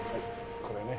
これね。